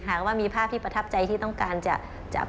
หากว่ามีภาพที่ประทับใจที่ต้องการจะจับ